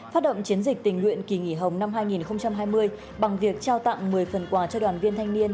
phát động chiến dịch tình nguyện kỳ nghỉ hồng năm hai nghìn hai mươi bằng việc trao tặng một mươi phần quà cho đoàn viên thanh niên